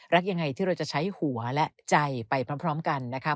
รักยังไงที่เราจะใช้หัวและใจไปพร้อมกันนะคะ